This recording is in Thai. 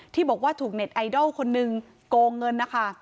ที่บอกว่าถูกเน็ตไอดอลคนหนึ่งโกงเงินนะคะ